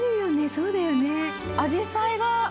そうだよね。